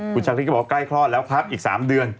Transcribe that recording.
คุณชาคริสก็บอกว่าใกล้คลอดแล้วครับอีก๓เดือน